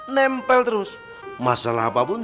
nempel terus masalah apapun